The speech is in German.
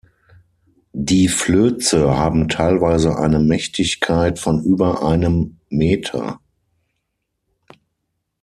Die Flöze haben teilweise eine Mächtigkeit von über einem Meter.